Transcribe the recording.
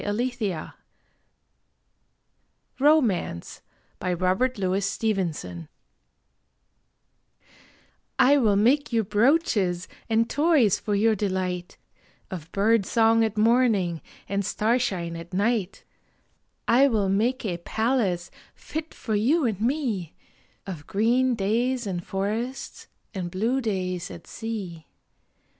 Walter de la Mare RAINBOW GOLD ROMANCE I WILL make you brooches and toys for your delight Of bird song at morning and star shine at night. I will make a palace fit for you and me, Of green days in forests and blue days at sea.